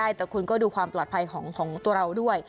ใช่แต่คุณก็ดูความปลอดภัยของตัวเราด้วย